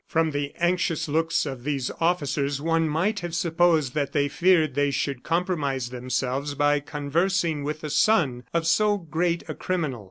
From the anxious looks of these officers one might have supposed that they feared they should compromise themselves by conversing with the son of so great a criminal.